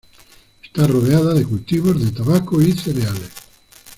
Está rodeada de cultivos de tabaco y cereales.